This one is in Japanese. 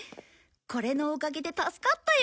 これのおかげで助かったよ。